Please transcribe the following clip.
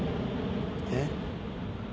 えっ？